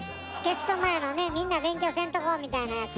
テスト前のね「みんな勉強せんとこ」みたいなやつ？